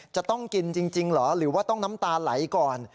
จะต้องกินจริงเหรอหรือว่าต้องน้ำตาไหลก่อน